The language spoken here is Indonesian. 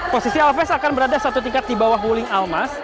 posisi alves akan berada satu tingkat di bawah wuling almas